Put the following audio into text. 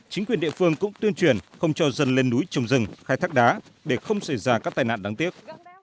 chính quyền địa phương cũng tuyên truyền không cho dân lên núi trồng rừng khai thác đá để không xảy ra các tai nạn đáng tiếc